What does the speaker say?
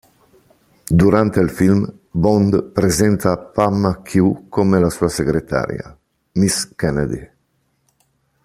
Durante il film, Bond presenta Pam a Q come la sua segretaria, Miss Kennedy.